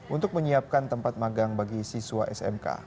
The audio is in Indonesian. untuk menyiapkan tempat magang bagi siswa smk